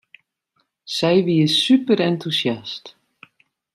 Sy wie superentûsjast.